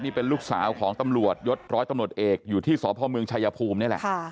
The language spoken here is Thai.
นี่เป็นลูกสาวของตำรวจยศร้อยตำรวจเอกอยู่ที่สพเมืองชายภูมินี่แหละ